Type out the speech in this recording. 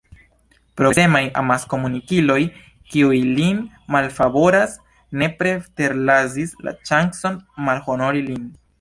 Progresemaj amaskomunikiloj, kiuj lin malfavoras, ne preterlasis la ŝancon malhonori lin.